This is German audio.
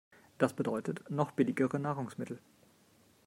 Das bedeutet, noch billigere Nahrungsmittel.